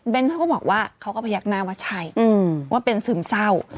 เขาก็บอกว่าเขาก็พยักหน้าว่าใช่ว่าเป็นซึมเศร้า